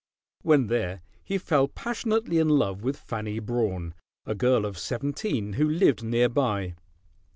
When there he fell passionately in love with Fanny Brawne, a girl of seventeen, who lived nearby.